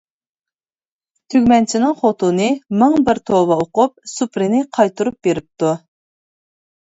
تۈگمەنچىنىڭ خوتۇنى مىڭ بىر توۋا ئوقۇپ، سۇپرىنى قايتۇرۇپ بېرىپتۇ.